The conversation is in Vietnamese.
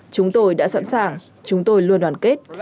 chúng tôi đã sẵn sàng chúng tôi luôn đoàn kết